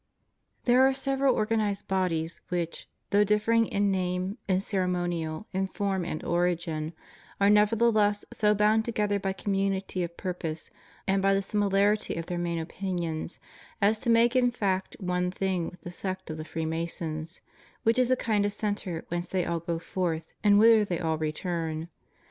There are several organized bodies which, though dif fering in name, in ceremonial, in form and origin, are nevertheless so bound together by community of pur pose and by the similarity of their main opinions, as to make in fact one thing with the sect of the Freemasons, which is a kind of centre whence they all go forth, and whither they all return.